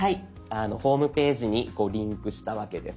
ホームページにリンクしたわけです。